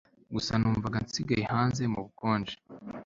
gusa numvaga nsigaye hanze mubukonje